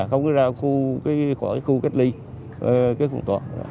cái khu cách ly cái khu tổ